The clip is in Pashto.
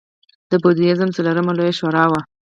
د بودیزم څلورمه لویه شورا وه